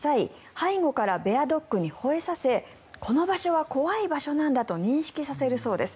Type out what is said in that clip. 背後からベアドッグにほえさせこの場所は怖い場所なんだと認識させるそうです。